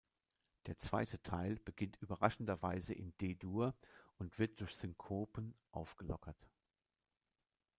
Der zweite Teil beginnt überraschenderweise in D-Dur und wird durch Synkopen aufgelockert.